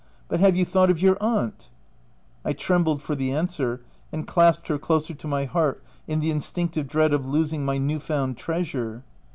— But have you thought of your aunt V I trembled for the answer and clasped her closer to my heart in the instinctive dread of losing my new found treasure.